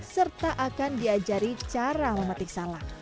serta akan diajari cara memetik salak